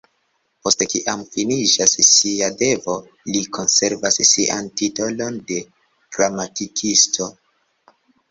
Post kiam, finiĝas sia devo, li konservas sian titolon de "Gramatikisto".